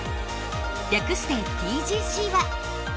略してＴＧＣは。